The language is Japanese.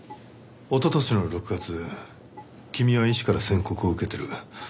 おととしの６月君は医師から宣告を受けてる。